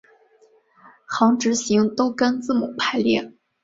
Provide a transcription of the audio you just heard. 横直行都跟字母排列。